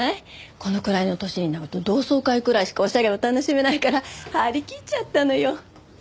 このくらいの年になると同窓会くらいしかおしゃれを楽しめないから張り切っちゃったのよ。